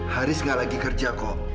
haris gak lagi kerja kok